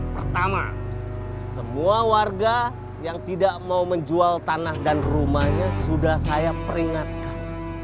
pertama semua warga yang tidak mau menjual tanah dan rumahnya sudah saya peringatkan